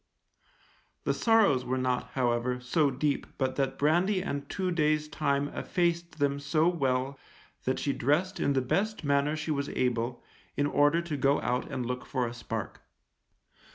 The sorrows were not, however, so deep but that brandy and two days' time effaced them so well that she dressed in the best manner she was able, in order to go out and look for a spark.